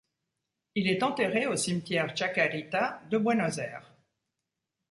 Il est enterré au cimetière Chacarita de Buenos Aires.